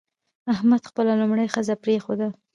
احمد خپله لومړۍ ښځه پرېښوده.